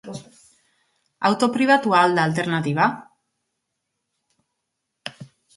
Auto pribatua al da alternatiba?